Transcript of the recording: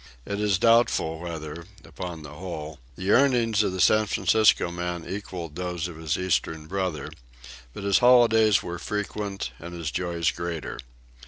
It is doubtful whether, upon the whole, the earnings of the San Francisco man equaled those of his Eastern brother, but his holidays were frequent and his joys greater.